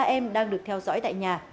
một mươi ba em đang được theo dõi tại nhà